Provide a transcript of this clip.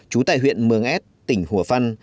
chú tại huyện mường ad tỉnh hùa phân